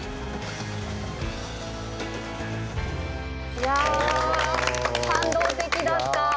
いや感動的だった。